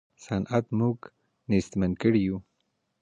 صنعت موږ نېستمن کړي یو.